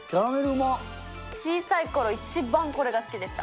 小さいころ、一番これが好きでした。